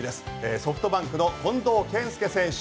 ソフトバンクの近藤健介選手。